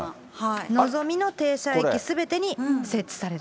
のぞみの停車駅すべてに設置される。